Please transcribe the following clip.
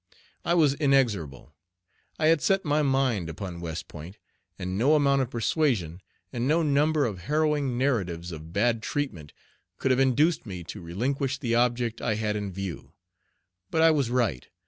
I was inexorable. I had set my mind upon West Point, and no amount of persuasion, and no number of harrowing narratives of bad treatment, could have induced me to relinquish the object I had in view. But I was right.